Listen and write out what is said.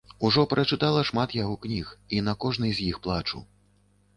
Ужо прачытала шмат яго кніг, і на кожнай з іх плачу.